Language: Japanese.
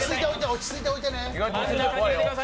落ち着いて置いてね。